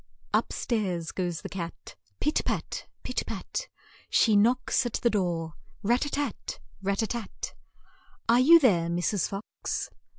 Up stairs goes the cat, pit pat ! pit pat ! She knocks at the door, rat tat tat! rat tat tat! "Are you there, Mrs. Fox?'